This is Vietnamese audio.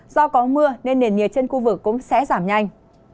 do có mưa nên nền nhiệt trên khu vực cũng sẽ giảm nhanh